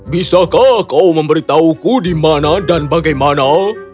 bisakah kau memberitahuku di mana dan bagaimana